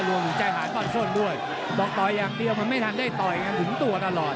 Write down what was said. วงใจหายบางส้นด้วยบอกต่อยอย่างเดียวมันไม่ทันได้ต่อยกันถึงตัวตลอด